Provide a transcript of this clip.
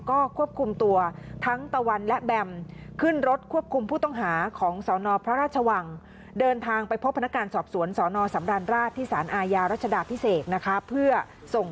ก็ควบคุมตัวทั้งตะวันและแบมน์